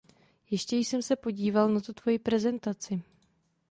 Ještě jsem se podíval na tu tvoji prezentaci.